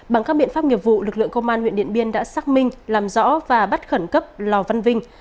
bằng các biện pháp nghiệp vụ lực lượng công an huyện điện biên đã xác minh làm rõ và bắt khẩn cấp lò văn vinh